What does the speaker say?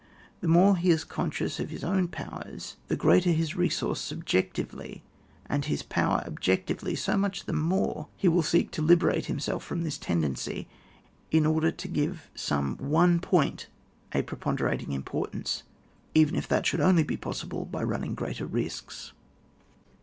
The more he is conscious of his own powers, the greater his resources 72 ON WAR. [book tiil Bubjectively, and his power objectively, 80 much the more he will seek to liberate himself from this tendency in order to give to some one point a preponderating importance, even if that shoiild only be possible by running greater risks.